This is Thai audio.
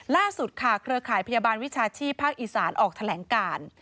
ล่าสุดค่ะเครือข่ายพยาบาลวิชาชีพภาคอีสานออกแถลงการ